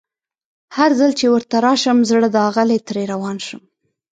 هرځل چي ورته راشم زړه داغلی ترې روان شم